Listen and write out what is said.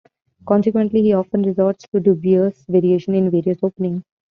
Consequently, he often resorts to dubious variations in various openings.